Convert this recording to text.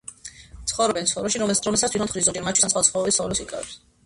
ცხოვრობენ სოროში, რომელსაც თვითონ თხრის, ზოგჯერ მაჩვის ან სხვა ცხოველის სოროს იკავებს.